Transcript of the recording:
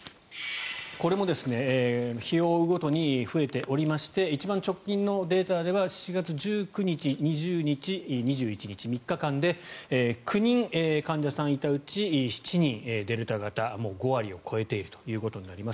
これも日を追うごとに増えておりまして一番直近のデータでは７月１９日、２０日、２１日の３日間で、９人患者さんがいたうち７人デルタ型、５割を超えているということになります。